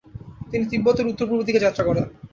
তিনি তিব্বতের উত্তর-পূর্ব দিকে যাত্রা করেন।